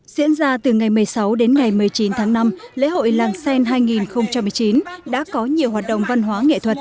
diễn ra từ ngày một mươi sáu đến ngày một mươi chín tháng năm lễ hội làng sen hai nghìn một mươi chín đã có nhiều hoạt động văn hóa nghệ thuật